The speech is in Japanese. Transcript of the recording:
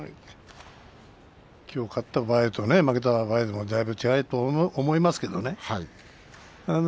きょう勝った場合と負けた場合、だいぶ違うと思いますけれどね。